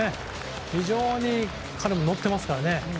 非常に彼も乗ってますからね。